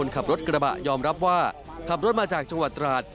ขับรถกระบะยอมรับว่าขับรถมาจากจังหวัดตราด